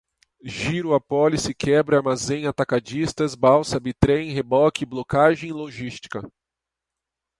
giro apólice quebra armazém atacadistas balsa bi-trem reboque blocagem logística